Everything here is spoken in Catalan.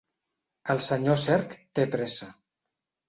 El senyor Cerc té pressa.